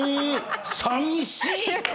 さみしい！